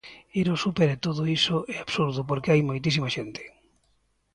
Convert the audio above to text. Ir ao súper e todo iso é absurdo porque hai moitísima xente.